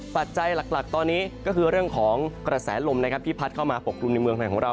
ปัจจัยหลักตอนนี้ก็คือเรื่องของกระแสลมนะครับที่พัดเข้ามาปกกลุ่มในเมืองไทยของเรา